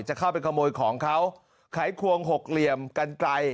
จะเข้าไปขโมยของเขาไขควงหกเหลี่ยมกันไกล